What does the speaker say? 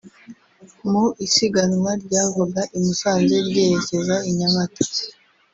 Mu isiganwa ryavaga i Musanze ryerekeza i Nyamata